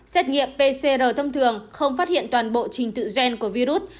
xét nghiệm pcr thông thường không phát hiện toàn bộ trình tự gen của virus